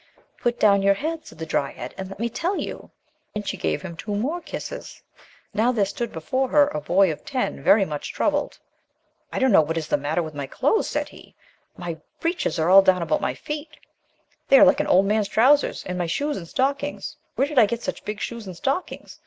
"Put down your head," said the dryad, "and let me tell you." Then she gave him two more kisses. Now there stood before her a boy of ten, very much troubled. "I don't know what is the matter with my clothes," said he, "my breeches '3 THE LOST DRYAD are all down about my feet. They are like an old man's trousers. And my shoes and stockings! Where did I get such big shoes and stockings?